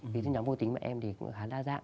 vì cái nhóm vô tính mà em thì khá đa dạng